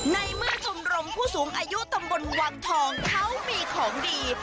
ในเมื่อชมรมผู้สูงอายุตำบลวังทองเขามีของดี